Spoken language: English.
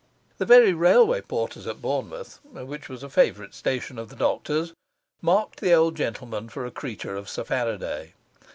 The very railway porters at Bournemouth (which was a favourite station of the doctor's) marked the old gentleman for a creature of Sir Faraday.